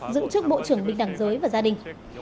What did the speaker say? giữ chức bộ trưởng bình đẳng giới và gia đình